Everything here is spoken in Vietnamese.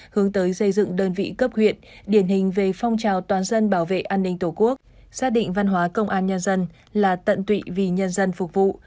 hướng tới xây dựng đơn vị cấp huyện điển hình về phong trào toàn dân bảo vệ an ninh tổ quốc xác định văn hóa công an nhân dân là tận tụy vì nhân dân phục vụ